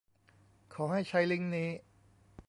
ขอให้ใช้ลิงก์นี้